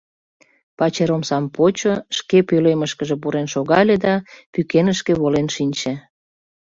Пачер омсам почо, шке пӧлемышкыже пурен шогале да пӱкенышке волен шинче.